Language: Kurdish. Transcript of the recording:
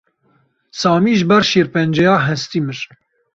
Samî ji ber şêrpenceya hestî mir.